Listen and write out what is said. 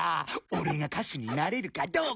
オレが歌手になれるかどうか。